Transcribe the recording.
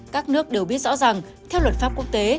các nước đều biết rõ ràng theo luật pháp quốc tế